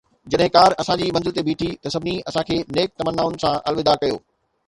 جڏهن ڪار اسان جي منزل تي بيٺي ته سڀني اسان کي نيڪ تمنائن سان الوداع ڪيو